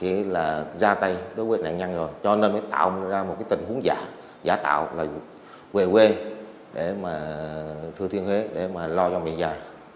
chỉ là ra tay đối với nạn nhân rồi cho nên mới tạo ra một tình huống giả tạo về quê để mà thưa thiên huế để mà lo cho mẹ già